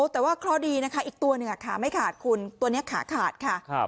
แต่ว่าเคราะห์ดีนะคะอีกตัวหนึ่งขาไม่ขาดคุณตัวนี้ขาขาดค่ะ